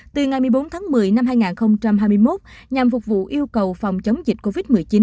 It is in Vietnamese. từ ngày một mươi bốn tháng một mươi năm hai nghìn hai mươi một nhằm phục vụ yêu cầu phòng chống dịch covid một mươi chín